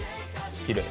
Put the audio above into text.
きれい。